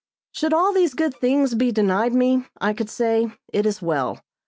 Should all these good things be denied me, I could say, it is well.